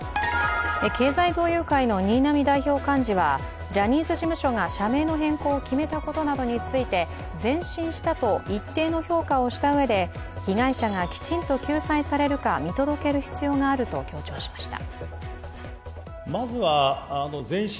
経済同友会の新浪代表幹事はジャニーズ事務所が社名の変更を決めたことなどについて前進したと一定の評価をしたうえで被害者がきちんと救済されるか見届ける必要があると強調しました。